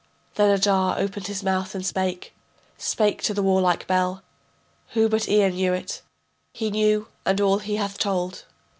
Then Adar opened his mouth and spake, Spake to the warlike Bel: Who but Ea knew it? He knew and all he hath told.